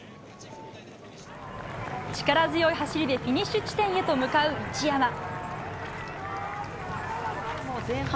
力強い走りでフィニッシュ地点へと向かう一山。